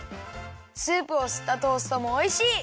スープをすったトーストもおいしい！